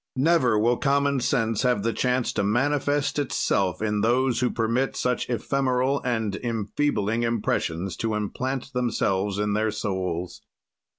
"Never will common sense have the chance to manifest itself in those who permit such ephemeral and enfeebling impressions to implant themselves in their souls.